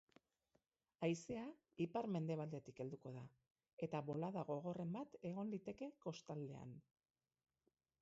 Haizea ipar-mendebaldetik helduko da, eta bolada gogorren bat egon liteke kostaldean.